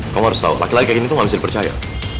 kamu harus tahu laki laki kayak gini tuh gak bisa dipercaya